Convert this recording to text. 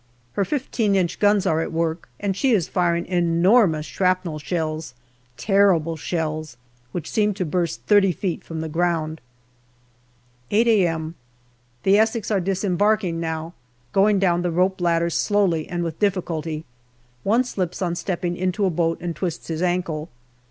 Her 15 inch guns are at work, and she is firing enormous shrapnel shells terrible shells, which seem to burst 30 feet from the ground. 8 a.m. The Essex are disembarking now, going down the rope ladders slowly and with difficulty. One slips on stepping into a boat and twists his ankle.